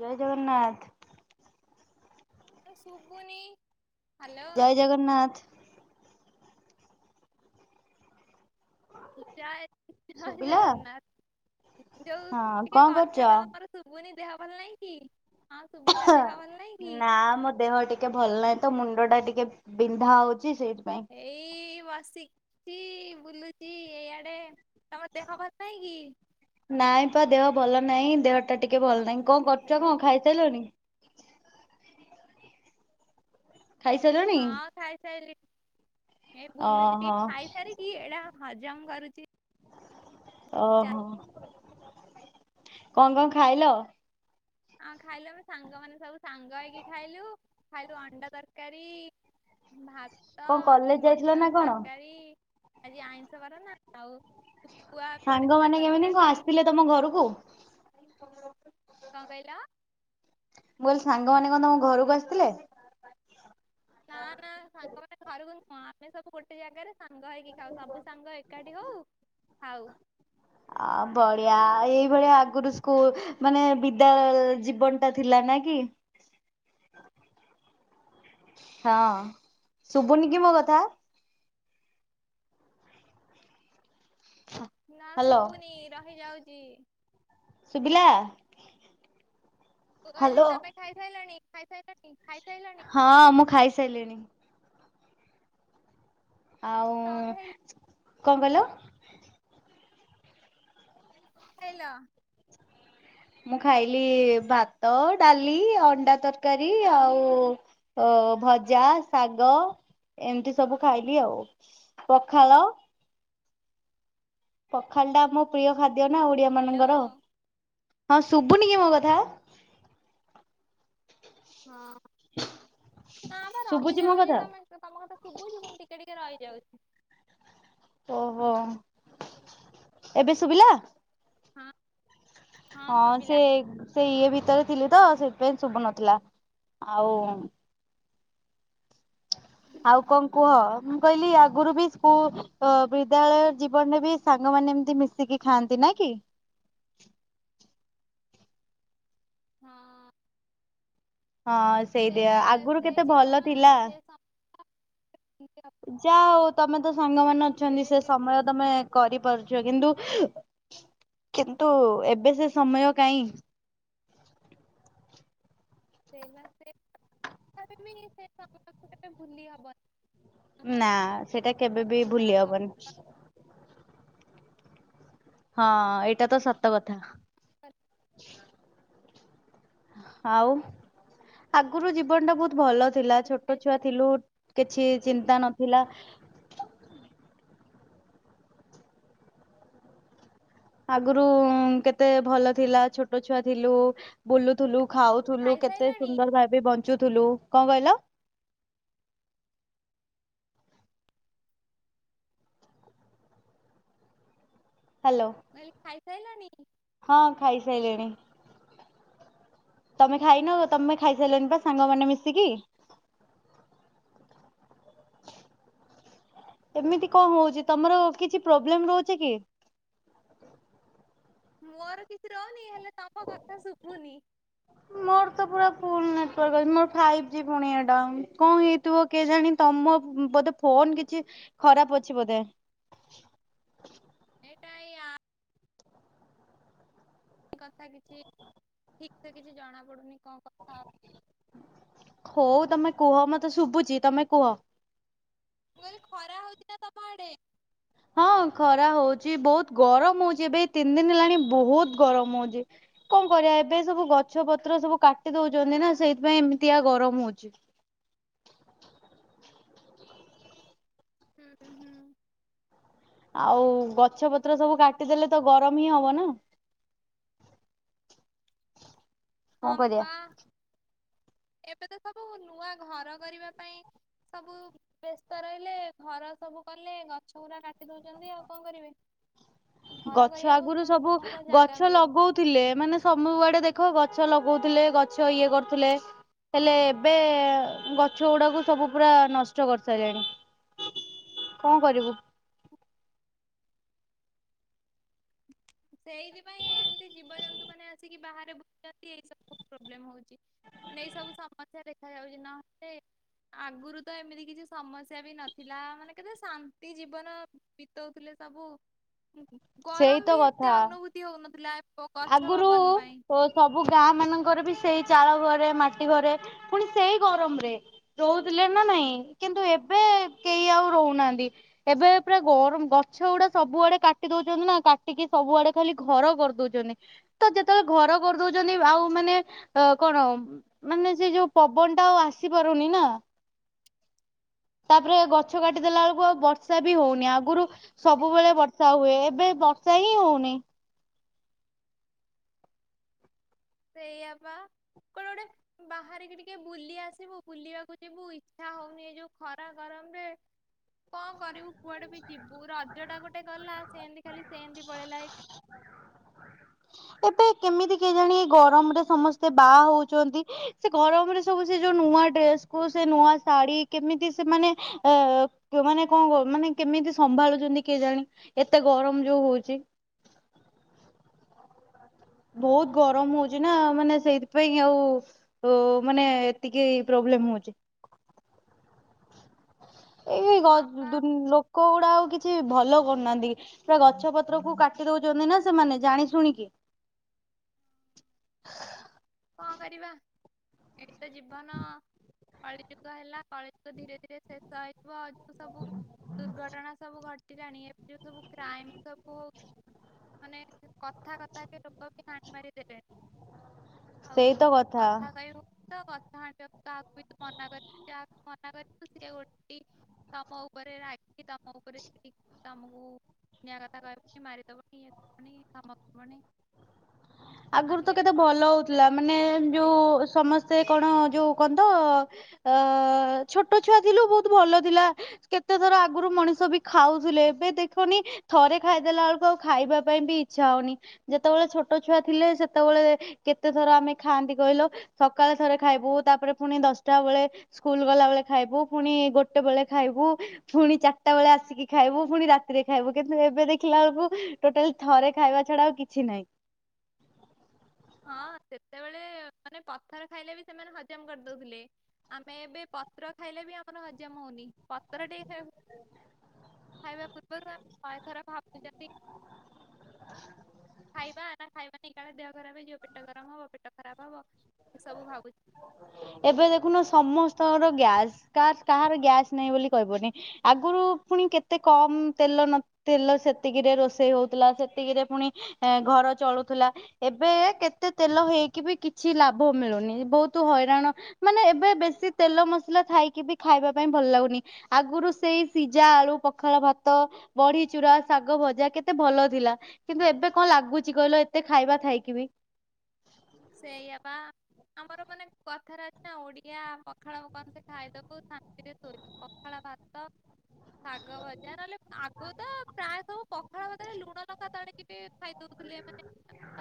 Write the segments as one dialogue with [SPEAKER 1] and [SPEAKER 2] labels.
[SPEAKER 1] ଜୟ ଜଗନ୍ନାଥ।
[SPEAKER 2] ସୁବୁନି।
[SPEAKER 1] ଜୟ ଜଗନ୍ନାଥ।
[SPEAKER 2] ଜୟ ଜୟ
[SPEAKER 1] ଶୁଭିଲା
[SPEAKER 2] ଜଗନ୍ନାଥ। ଯୋଉ
[SPEAKER 1] ହଁ
[SPEAKER 2] ଟିକେ
[SPEAKER 1] କଣ କରୁଛ?
[SPEAKER 2] କଥାଟା ତମର ଶୁଭୁନି ଦେହ ଭଲ ନାହିଁ କି? ହଁ ଶୁଭିଲା ଦେହ ଭଲ ନାହିଁ କି
[SPEAKER 1] ନା ମୋ ଦେହ ଟିକେ ଭଲ ନାହିଁ ତ ମୁଣ୍ଡ ଟା ଟିକେ ବି ବିନ୍ଧା ହଉଛି। ସେଇଥିପାଇଁ।
[SPEAKER 2] ଏଇ ବସିଛିି ବୁଲୁଚି, ଇଆଡେ ତମ ଦେହ ଭଲ ନାଇଁ କି?
[SPEAKER 1] ନାଇଁ ପା ଦେହ ଭଲ ନାହିଁ ଦେହଟା ଟିକେ ଭଲ ନାହିଁ।
[SPEAKER 2] ତପିଟା
[SPEAKER 1] କଣ
[SPEAKER 2] ଟିକେ
[SPEAKER 1] କରୁଛ କଣ? ଖାଇସାରିଲଣି? ଖାଇସାରିଲଣି
[SPEAKER 2] ହଁ ଖାଇସାଇଲି। ଏଇ ବୁଲୁଛି ଟିକେ
[SPEAKER 1] ଓହୋ
[SPEAKER 2] ଖାଇସାରିକି ଏଇଟା ହଜମ କରୁଛି।
[SPEAKER 1] ଓହୋ। କଣ କଣ ଖାଇଲ?
[SPEAKER 2] ହଁ ଖାଇଲୁ ଆମେ ସାଙ୍ଗ ମାନେ ସବୁ ସାଙ୍ଗ ହେଇକି ଖାଇଲୁ ଖାଇଲୁ ଅଣ୍ଡା ତରକାରୀ। ଭାତ,
[SPEAKER 1] କଣ କଲେଜ ଯାଇଥିଲ
[SPEAKER 2] ମଟନ
[SPEAKER 1] ନା କଣ?
[SPEAKER 2] ତରକାରୀ ଆଜି ଆଇଁଷ ବାର ନା ଆଉ। ଶୁଖୁଆ ପଡିଥିଲା
[SPEAKER 1] ସାଙ୍ଗମାନେ କେମିତି
[SPEAKER 2] ତରକାରୀ
[SPEAKER 1] କଣ ଆସିଥିଲେ ତମ ଘରକୁ?
[SPEAKER 2] କଣ କହିଲ?
[SPEAKER 1] ମୁଁ କହିଲ ସାଙ୍ଗମାନେ କଣ ତମ ଘରକୁ ଆସିଥିଲେ?
[SPEAKER 2] ନା ନା ସାଙ୍ଗମାନେ ଘରୁକୁ ନୁହଁ ଆମେ ସବୁ ଗୋଟେ ଜାଗାରେ। ସାଙ୍ଗ ହେଇକି ଖାଉ ସବୁ ସାଙ୍ଗ ଏକାଠି ହଉ ଖାଉ।
[SPEAKER 1] ଅ ବଢିଆ ଏଇଭଳିଆ ଗ ସ୍କୁଲ ମାନେ ବିଦ୍ୟା ଜୀବନ ଟା ଥିଲା ନା କି। ହ। ହଁ ଶୁଭୁନି କି ମୋ କଥା?
[SPEAKER 2] ନା
[SPEAKER 1] ହ୍ୟାଲୋ
[SPEAKER 2] ଶୁଭୁନି ରହିଯାଉଚି।
[SPEAKER 1] ଶୁଭିଲା।
[SPEAKER 2] ମୁଁ କହିଲି
[SPEAKER 1] ହ୍ୟାଲୋ।
[SPEAKER 2] ତମେ ଖାଇସାଇଲାଣି ଖାଇସାଇଲାନି ଖାଇସାଇ।
[SPEAKER 1] ହଁ ମୁଁ ଖାଇସାରିଲିଣି। ଆଉ
[SPEAKER 2] କଣ ଖାଇଲ
[SPEAKER 1] କଣ କହିଲ?
[SPEAKER 2] କଣ ଖାଇଲ?
[SPEAKER 1] ମୁଁ ଖାଇଲି ଭାତ ଡାଲି ଅଣ୍ଡା ତରକାରୀ ଆଉ। ଭଜା ଶାଗ। ଏମିତି ସବୁ ଖାଇଲି ଆଉ ପଖାଳ। ପଖାଳ ଟା ଆମ ପ୍ରିୟ ଖାଦ୍ୟ ନା ଓଡିଆ ମାନଙ୍କର। ହଁ ଶୁଭୁନି କି ମୋ କଥା?
[SPEAKER 2] ହଁ। ନା ବା
[SPEAKER 1] ଶୁଭୁଛି ମୋ
[SPEAKER 2] ରହିଯାଉଛି
[SPEAKER 1] କଥା?
[SPEAKER 2] ତମେ ତମ କଥା ଶୁଭୁଛି ପୁଣି ଟିକେ ଟିକେ ରହିଯାଉଛି।
[SPEAKER 1] ଓହୋ। ଏବେ ଶୁଭିଲା?
[SPEAKER 2] ହଁ।
[SPEAKER 1] ହଁ ସେ ସେ ଇଏ। ଭିତରେ ଥିଲି ତ ସେଇଥିପାଇଁ ଶୁଭୁ ନଥିଲା ଆଉ। ଆଉ କଣ କୁହ। ମୁଁ କହିଲି ଆଗରୁ ବି ସ୍କୁଲ ବିଦ୍ୟାଳୟ ଜୀବନରେ ବି ସାଙ୍ଗମାନେ ଏମିତି ମିଶିକି ଖାଆନ୍ତି। ନାକି।
[SPEAKER 2] ହଁ।
[SPEAKER 1] ହଁ
[SPEAKER 2] ସେ
[SPEAKER 1] ସେଇଦିଅ
[SPEAKER 2] ଲା
[SPEAKER 1] ଆଗରୁ
[SPEAKER 2] ସେ
[SPEAKER 1] କେତେ ଭଲ
[SPEAKER 2] ଜୀବନ
[SPEAKER 1] ଥିଲା।
[SPEAKER 2] ସେ ସମୟ
[SPEAKER 1] ଯା ହଉ ତମେ ତ ସାଙ୍ଗମାନେ ଅଛନ୍ତି ସେ ସମୟ ତମେ କରି। ପାରୁଛ କିନ୍ତୁ କିନ୍ତୁ ଏବେ ସେ ସମୟ କାଇଁ।
[SPEAKER 2] [inaudible] ଭୁଲି ହବନି
[SPEAKER 1] ନା ସେଟା କେବେ ବି
[SPEAKER 2] ବସିବା
[SPEAKER 1] ଭୁଲି ହବନି।
[SPEAKER 2] ଗପିବା
[SPEAKER 1] ହଁ ଏଇଟା ତ ସତ କଥା।
[SPEAKER 2] ତମେ
[SPEAKER 1] ଆଉ ଆଗୁରୁ ଜୀବନଟା ବହୁତ। ଭଲ ଥିଲା ଛୋଟ
[SPEAKER 2] ଖାଇସାଇ
[SPEAKER 1] ଛୁଆ ଥିଲୁ କିଛି ଚିନ୍ତା ନଥିଲା। ଆଗରୁ କେତେ ଭଲ ଥିଲା ଛୋଟ ଛୁଆ ଥିଲୁ ବୁଲୁଥିଲୁ। ଖାଉଥିଲୁ କେତେ
[SPEAKER 2] ଖାଇସାଇଲଣି?
[SPEAKER 1] ସୁନ୍ଦର ଭାବେ ବନ ଚୁ ଥିଲୁ କଣ କହିଲ। ହ୍ୟାଲୋ
[SPEAKER 2] କଇଲି ଖାଇ ସାଇଲଣି।
[SPEAKER 1] ହଁ ଖାଇସାଇଲିଣି। ତମେ ଖାଇନ ତମେ ଖାଇସାଇଲଣି ବା ସାଙ୍ଗମାନେ ମିଶିକି। ଏମିତି କଣ ହଉଛି ତମର କିଛି ପ୍ରୋବ୍ଲେମ ରହୁଛି କି?
[SPEAKER 2] ମୋର କିଛି ରହୁନି ହେଲେ ତମ କଥା ଶୁଭୁନି।
[SPEAKER 1] ମୋର ତ ପୁରା ଫୁଲ ମୋର ଫାଇପିଜି ପୁଣି ଏଟା କଣ ହେଇଥିବ କେଜାଣି ତମ ବୋଧେ ଫୋନ କିଛି। ଖରାପ ଅଛି ବୋଧେ।
[SPEAKER 2] ଏଟା ଏ ଆପ। କଥା କିଛି ଠିକସେ କିଛି ଜଣା ପଡୁନି। କଣ କଥା
[SPEAKER 1] ହଉ ତମେ କୁହ ମତେ। ତ ଶୁଭୁଛି ତମେ କୁହ।
[SPEAKER 2] ମୁଁ କହିଲି ଖରା ହଉଛି ନା ତମ ଆଡେ।
[SPEAKER 1] ହଁ। ଖରା ହଉଛି ବହୁତ ଗରମ ହଉଛି ଏବେ ତିନି ଦିନ ହେଲାଣି ବହୁତ ଗରମ ହଉଛି କଣ କରି ବା ଏବେ ସବୁ ଗଛ ପତ୍ର ସବୁ କାଟି ଦଉଛନ୍ତି ନା ସେଇଥିପାଇଁ ଏମିତିଆ ଗରମ ହଉଛି।
[SPEAKER 2] ହୁଁ ହୁଁ।
[SPEAKER 1] ଆଉ ଗଛ ପତ୍ର ସବୁ କାଟିଦେଲେ ତ ଗରମ ହିଁ ହବ ନା।
[SPEAKER 2] ହଁ
[SPEAKER 1] କଣ କରିବା।
[SPEAKER 2] ବା ଏବେ ତ ସବୁ ନୂଆ ଘର କରିବା ପାଇଁ। ସବୁ ବ୍ୟସ୍ତ ରହିଲେ ଘର ସବୁ କଲେ ଗଛ ଗୁରା କାଟି ଦଉଛନ୍ତି ଆଉ କଣ କରିବେ। ଘର
[SPEAKER 1] ଗଛ
[SPEAKER 2] କରିବାକୁ
[SPEAKER 1] ଆଗରୁ
[SPEAKER 2] ତାଙ୍କ
[SPEAKER 1] ସବୁ
[SPEAKER 2] ଲୋକଙ୍କ ଜାଗା
[SPEAKER 1] ଗଛ
[SPEAKER 2] ମିଳୁନି।
[SPEAKER 1] ଲଗଉଥିଲେ ଏମାନେ ସବୁ ଆଡେ ଦେ ଖ ଗଛ ଲଗଉ ଥିଲେ ଗଛ ଇଏ କରୁଥିଲେ। ହେଲେ ଏବେ ଗଛ ଗୁଡାକୁ ସବୁ ପୁରା ନଷ୍ଟ କରିସାଇଲେଣି କଣ କରିବୁ?
[SPEAKER 2] ସେଇଥିପାଇଁ ଏମତି ଜୀବଜନ୍ତୁ ମାନେ ଆସିକି ବାହରେ ବୁଲୁ ଛନ୍ତି ଏ ସବୁ ପ୍ରୋବ୍ଲେମ ହଉଛି। ମାନେ ଏଇ ସବୁ ସମସ୍ୟା ଦେଖା ଯାଉଛି ନହେଲେ। ଆଗରୁ ତ ଏମିତି କିଛି ସମସ୍ୟା ବି ନଥିଲା ମାନେ କେତେ ଶାନ୍ତି ଜୀବନ ବିତଉଥିଲେ। ସବୁ
[SPEAKER 1] ସେଇ
[SPEAKER 2] ଗରମ
[SPEAKER 1] ତ
[SPEAKER 2] ବି ଏତେ
[SPEAKER 1] କଥା
[SPEAKER 2] ଅନୁଭୂତି ହଉନଥିଲା। ଗଛ
[SPEAKER 1] ଆଗରୁ
[SPEAKER 2] ପବନ ପାଇଁ।
[SPEAKER 1] ସବୁ ଗାଁ ମାନଙ୍କର ବି ସେଇ ଚାଳ ଘ ମାଟି ଘରେ ପୁଣି ସେଇ ଗରମରେ ରହୁଥିଲେ ନା ନାଇଁ କିନ୍ତୁ ଏବେ କେହି ଆଉ ରହୁନାହାନ୍ତି ଏବେ ପୁରା ଗରମ ଗଛ ଗୁଡା ସବୁଆଡେ କାଟି ଦୋଉଚନ୍ତି ନା କାଟିକି ସବୁଆ ଆଡେ ଖାଲି ଘର କଟୁଚି ତ ଯେତେବେଳେ ଘର କରିଦଉଚନ୍ତି ଆଉ ମାନେ କଣ ମାନେ ସେ ଯୋଉ ପବନ ଟା ଆଉ ଆସିପାରୁନି ନା ତାପରେ ଗଛ କାଟିଦେଲା ବେଳକୁ ଆଉ ବର୍ଷା ବି ହୋଉନି। ଆଗରୁ ସବୁବେଳେ ବର୍ଷା ହୁଏ ଏବେ ସେହି ହୋଉନି।
[SPEAKER 2] ସେୟାଆ ପା କୁଆଡେଗୋଟେ ବାହାରିକି ଟିକେ ବୁଲି ଆସିବୁ ବୁଲିବାକୁ ଯିବୁ ଇଚ୍ଛା ହଉନି ଏଇ ଯୋଉ ଖରା ଗର ଆବେ [inaudible] କଣ କରିବୁ କୁଆଡେ ବି ଯିବୁ ରଜ ଟା ଗୋଟେ ଗଲା ସେମିତି ଖାଲି ସେମିତି ପଳେଇଲା ହେ
[SPEAKER 1] ହ। ଏବେ କେମିତି କେଜାଣି ଗରମରେ ସମସ୍ତେ ବାହା ହଉଛନ୍ତି ସେ ଗରମରେ ସବୁ ସେ ଯୋଉ ନୁ ନୂଆ ଡ୍ରେସକୁୁ ସେ ନୂଆ ଶାଢ଼ୀ କେମିତି ସେମାନେ ଏ ଯଉ ମାନେ କଣ କ ମାନେ କେମିତି ସମ୍ଭାଳୁଛନ୍ତି କିଏ ଜାଣି ଏତେ ଗରମ ଯୋଉ ହଉଛି। ବହୁତ ଗରମ ହଉଛି ନା ମାନେ ସେଇଥିପାଇଁ ଆଉ ମାନେ ଏତିକି ପ୍ରୋ ହେଲେ ମୁ ଅଛି। ଏଇ ଗ
[SPEAKER 2] ହଁ ପା
[SPEAKER 1] ଦୁନି ଲୋକ ଗୁଡା ଅଛି। କି ଭଲ କରୁନାହାନ୍ତି ପୁରା ଗଛ ପତ୍ର କୁ କାଟି ଦଉଛନ୍ତି ନା ସେମାନେ ଜାଣି ଶୁଣିକି। [unintelligible]
[SPEAKER 2] କଣ କରିବା ଏଇତ ଜୀବନ କଳିଯୁଗ ହେଲା। କଳିଯୁଗ ଧୀରେ ଧୀରେ ଶେଷ ହେଇଥିବ ଆଉ ସବୁ ଦୁର୍ଘଟଣା ସବୁ ଜାଣି, ସବୁ କ୍ରାଇମ ସବୁ ହଉ
[SPEAKER 1] [inaudible]
[SPEAKER 2] ମାନେ କଥା କଥା କେ, ଲୋକ ବି ଗାଣ୍ଡ ମାରି ଦେବେ ଆଉ
[SPEAKER 1] ସେଇ ତ
[SPEAKER 2] କଥା କହିବ ତ, କଥା ଆଣିବାକୁ କାହାକୁ ବି ମନା କରିବି, ଯାହା ମନା କରି ସେ ଓଲଟି ତମ ଉପରେ ରାଗି କି, ତମ ଉପରେ ସେ ତମକୁ ଦୁନିଆ କଥା କହିବ, ମାରିଦେବନି, ଇଏଦେବନି ଧମକଦେବଣି,
[SPEAKER 1] ଆଗରୁ ତ କେତେ ଭଲ ହଉଥିଲା, ମାନେ
[SPEAKER 2] କଥା ବି କହି
[SPEAKER 1] ଯୋଉ ସ ସମସ୍ତେ କଣ, ଯୋଉ କଣ ତ ଅ ଛୋଟ ଛୁଆ ଥିଲୁ, ବହୁତ ଭଲ ଥିଲା କେତେଥର ଆଗରୁ ମଣିଷ ବି ଖାଉଥିଲେ, ଏବେ ଦେଖନି ଥରେ ଖାଇଦେଲା ବେଳକୁ ଆଉ ଖାଇବା ପାଇଁ ବି ଇଛା ଇଛା ହଉନି, ଯେତେବେଳେ ଛୋଟ ଛୁଆ ଥିଲେ, ସେତେବେଳେ କେତେ ଥର ଆମେ ଖାଆନ୍ତି କହିଲ -ସକାଳେ ଥରେ ଖାଇବୁ, ତାପରେ ପୁଣି ଦଶ ଚଟା ବେଳେ, ସ୍କୁଲ ଗଲାବେଳେଖାଇବୁ, ପୁଣି ଗୋଟେ ବେଳେ ଖାଇବୁ, ପୁଣି ଚାରିଟା ବେଳେ ଆସିକି ଖାଇ ଖାଇବୁ, ପୁଣି ରାତିରେ ଖାଇବୁ କିନ୍ତୁ ଏବେ ଦେଖିଲା ବେଳକୁ ଟୋଟାଲ ଥରେ ଖାଇବା ଛଡା ଆଉ କିଛି ନାହିଁ।
[SPEAKER 2] ହଁ ସେତେବେଳେ ମାନେ ପଥର ଖାଇଲେ ବି ସେମାନେ ହଜମ କରିଦଉଥିଲେ, ଆମେ ଏବେ ପତ୍ର ଖାଇଲେ ବି ଆମର ହଜମ ହଉନି। ପତ୍ର ଟେ ହେ ଖାଇବା ପୂର୍ବରୁ ଆମେ ଶହେଥର ଭାବୁଚନ୍ତି।
[SPEAKER 1] ହ
[SPEAKER 2] ଖାଇବା ନା ଖାଇବାନି, କାଳେ ଦେହ ଖରାପ ହେଇଯିବ, ପେଟ ଗରମ ହବ, ପେଟ ଖରାପ ହବ। ଏସବୁ ଭାବୁଛନ୍ତି।
[SPEAKER 1] ଏବେ ଦେଖୁନ ସମସ୍ତଙ୍କର ଗ୍ୟାସ୍ କା କାହାର ଗ୍ୟାସ୍ ନାହିଁ ବୋଲି କହିବନି, ଆଗରୁ ପୁଣି କେତେ କମ ତେଲ ନ ତେଲ ସେତିକିରେ ରୋଷେଇ ହଉଥିଲା, ସେତିକିରେ ପୁଣି ଘର ଚଳୁଥିଲା, ଏବେ ଏତେ ତେଲ ହେଇକି ବି, କିଛି ଲାଭ ଲାଭ ମିଳୁନି, ବହୁତ ହଇରାଣ ମାନେ -ଏବେ ବେଶୀ ତେଲ ମସଲା ଖାଇକି ବି ଖାଇବା ପାଇଁ ଭଲ ଲାଗୁନି ଆଗରୁ ସେଇ ସିଝା ଆଳୁ, ପଖାଳ ଭାତ, ବଢି ଚୁରା, ଶାଗ ଭଜା, କେତେ ଭଲ ଥି ଥିଲା କିନ୍ତୁ ଏବେ କଣ ଲାଗୁଛି କହିଲ -ଏତେ ଖାଇବା ଥାଇକି ବି
[SPEAKER 2] ସେଇଆପା ଆମର ମାନେ କଥାରେ ଅଛି ନା- ଓଡିଆ ପଖାଳ କଂସେ ଖାଇଦେବୁ, ଶାନ୍ତିରେ ସୋଇବୁ, ପଖାଳ ଭାତ ଶାଗ ଭଜା, ନହେଲେ ଆଗୁରୂ ପ୍ରାୟ ସବୁ, ପଖାଳ ଭାତ ରେ ଲୁଣ ନଙ୍କା ଦଳିକି ବି ଖାଇଦଉ। ଥିଲେ, ଏମାନେ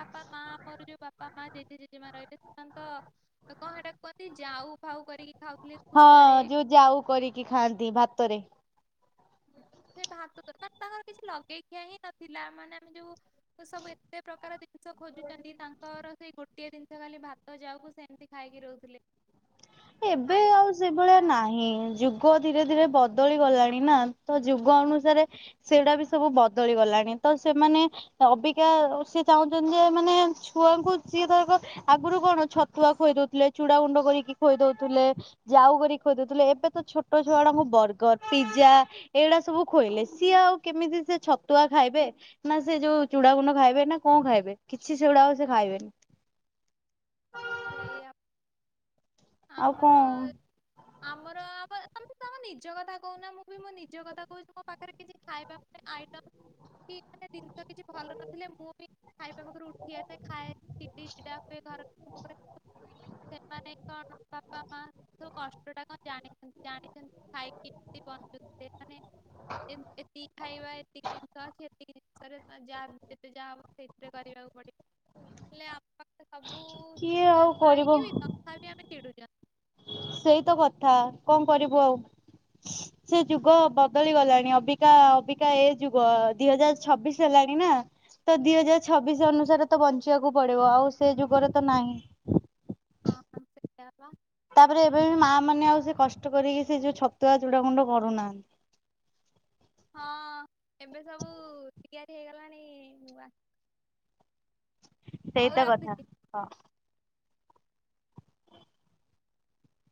[SPEAKER 2] ବାପା ମା ଆମର ଯୋଉ ବାପା ମା, ଜେଜେ, ଜେଜେମା ରହିଲେ ସେମାନେ ତ କଣହେଟାକୁ କୁହନ୍ତି ଯାଉ ଭାଉ କରିକି ଖାଉଥିଲେ ଖୁଦରେ
[SPEAKER 1] ଆଉ କରିକି ଖାଆନ୍ତି ଭାତରେ। ହଁ [inaudible]
[SPEAKER 2] ସେ ଭାତର ତାଙ୍କର କିଛି ଲଗେଇଖିଆ ହିଁ ନଥିଲା, ମାନେ ଆମେ ଯୋଉ ସବୁ ଏତେ ପ୍ରକାର ଜିନିଷ ଖୋଜୁଛନ୍ତି, ତାଙ୍କର ସେଇ ଗୋଟିଏ ଜିନିଷ ଖାଲି ଭାତ ଯାଉକୁ ସେମତି ଖାଇକି ରହୁଥିଲେ।
[SPEAKER 1] ଏବେ
[SPEAKER 2] ଖାଇ
[SPEAKER 1] ଆଉ ସେଭଳିଆ ନାହିଁ ଯୁଗ ଯୁଗ ଧୀରେ ଧୀରେ ବଦଳି ଗଲାଣି ନା, ତ ଯୁଗ ଅନୁସାରେ ସେଟା ବି ସବୁ ବଦଳି ଗଲାଣି। ତ ସେମାନେ ଅବିକା ସିଏ ଚାହୁଁଛନ୍ତି, ଯେ -ଏମାନେ ଛୁଆଙ୍କୁ ସିଏ ଧରକ ଆଗରୁ। କଣ ଛତୁଆ ଖୁଆଇ ଦଉଥିଲେ, ଚୁଡା ଗୁଣ୍ଡ କରିକି। ଖୋଇ ଦଉଥିଲେ, ଯାଉ କରି ଖୋଇଦଉଥିଲେ ଏବେ ତ ଛୋଟ ଛୁଆଡାଙ୍କୁ ବର୍ଗର, ପିଜା ଏଇଗଡା ସବୁ ଖୋଇଲେ, ସିଏ ଆଉ କେମିତି ସେ ଛତୁଆ ଖାଇବେ, ନା ସେ ଯୋଉ ଚୁଡା ଗୁଣ୍ଡ ଖାଇବେ, ନା କଣ ଖାଇବେ। କିଛି ସେଗୁଡା ସେ ଖାଇବେନି।
[SPEAKER 2] ସେଇଆ
[SPEAKER 1] ଆଉ
[SPEAKER 2] ଆମର
[SPEAKER 1] କଣ
[SPEAKER 2] ଆମର ଆ। ତମ ତମ ନିଜ କଥା କହୁନା, ମୁଁ ବି ନିଜ କଥା କହୁଛି- ମୋ ପାଖରେ କିଛି ଖାଇବା ପାଇଁ ଆଇଟମ୍ କି ମାନେ
[SPEAKER 1] ହ। [inaudible]
[SPEAKER 2] ଜିନିଷ କିଛି ଭଲ ନଥିଲେ, ମୁଁ ବି ଖାଇବା ପାଖରୁ ଉଠି ଆସେ ଖାଏ, ଚିଡି ଚିଡା ହୁଏ ଘର ଉପରେ
[SPEAKER 1] ହ। [inaudible]
[SPEAKER 2] ସେମାନେ କଣ ବାପା ମା ଯୋଉ କଷ୍ଟ ଟା କଣ ଜାଣିଛନ୍ତି, ଜାଣିଛନ୍ତି ଖାଇକି। ଏତିକି ଖାଇବା, ଏତିକି ଜିନିଷ ଅଛି, ତିକି ସାରେ ଯାହା ଯେତେ ଯାହା ହବ ସେଥିରେ କରିବାକୁ ପଡିବ ହେଲେ ଆପା ସବୁ-ଉ
[SPEAKER 1] କିଏ
[SPEAKER 2] ସୁବିଧା
[SPEAKER 1] ଆଉ କରିବ
[SPEAKER 2] ଥାଇକି ବି ତଥାପି ଆମେ ଚିଡୁଛନ୍ତି।
[SPEAKER 1] ସେଇ ତ କଥା କଣ କରିବୁ ଆଉ? ସେ ଯୁଗ ବଦଳି ଗଲାଣି ଅବିକା ଅବିକା ଏ ଯୁଗ ଦି ହଜାର ଛବିଶ ହେଲା। ଆଡ଼ି ନା। ତ ଦି ହଜାର ଛବିଶ ଅନୁସାରେ ତ ବଞ୍ଚିବାକୁ ପଡିବ। ଆଉ ସେ ଯୁଗରେ ତ ନାହିଁ।
[SPEAKER 2] ହଁ ସେଆ ପା।
[SPEAKER 1] ତାପରେ ଏବେବି ମା ମାନେ ଆଉ ସେ କଷ୍ଟ କରିକି ସେ ଯଉ ଛତୁଆ ଚୁଡା ଗୁଣ୍ଡ କରୁନାହାଁନ୍ତି।
[SPEAKER 2] ହଁ ଏବେ ସବୁ ତିଆରି ହେଇଗଲାଣି ନୂଆ। ହଉ
[SPEAKER 1] ସେଇତ
[SPEAKER 2] ରଖୁଛି।
[SPEAKER 1] କଥା ହଁ।